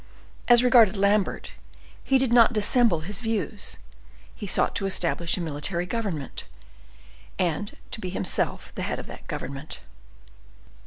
As regarded Lambert, he did not dissemble his views; he sought to establish a military government, and to be himself the head of that government.